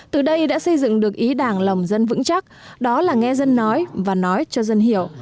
từ đây đã xây dựng được ý đảng lòng dân vững chắc đó là nghe dân nói và nói cho dân hiểu